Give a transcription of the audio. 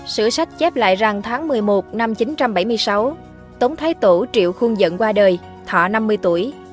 sử sách chép lại rằng tháng một mươi một năm một nghìn chín trăm bảy mươi sáu tống thái tổ triệu khuôn dẫn qua đời thọ năm mươi tuổi